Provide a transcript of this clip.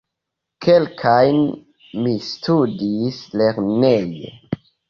Kelkajn mi studis lerneje.